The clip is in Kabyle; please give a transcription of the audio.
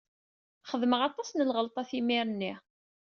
Xedmeɣ aṭas n lɣelṭat imir-nni.